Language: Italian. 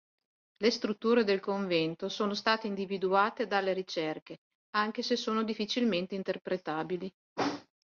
Le strutture del convento sono state individuate dalle ricerche, anche se sono difficilmente interpretabili.